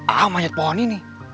a'ah menyedponi nih